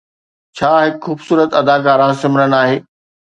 ڇا هڪ خوبصورت اداڪاره سمرن آهي